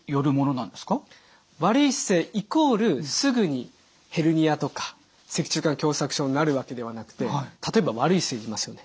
悪い姿勢イコールすぐにヘルニアとか脊柱管狭窄症になるわけではなくて例えば悪い姿勢でいますよね。